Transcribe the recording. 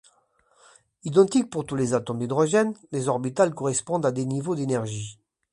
Identiques pour tous les atomes d’hydrogène, les orbitales correspondent à des niveaux d’énergie.